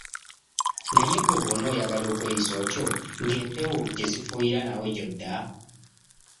Naye ggwe bw'onooyagala okweyisa otyo ng'empewo gye zifuuyira naawe gy'odda.